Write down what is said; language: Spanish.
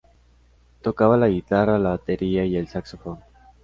Tocaba la guitarra, la batería y el saxofón.